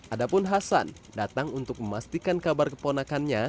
ada pun hasan datang untuk memastikan kabar keponakannya